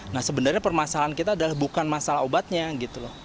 nah sebenarnya permasalahan kita adalah bukan masalah obatnya gitu loh